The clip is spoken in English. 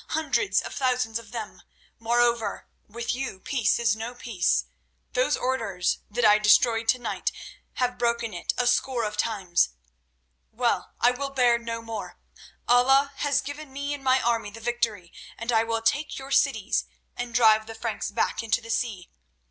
Hundreds of thousands of them. Moreover, with you peace is no peace. Those Orders that I destroyed tonight have broken it a score of times. Well, I will bear no more. Allah has given me and my army the victory, and I will take your cities and drive the Franks back into the sea.